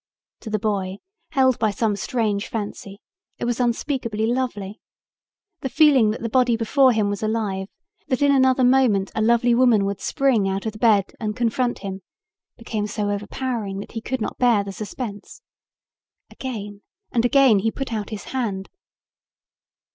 To the boy, held by some strange fancy, it was unspeakably lovely. The feeling that the body before him was alive, that in another moment a lovely woman would spring out of the bed and confront him, became so overpowering that he could not bear the suspense. Again and again he put out his hand.